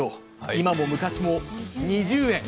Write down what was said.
今も昔も２０円。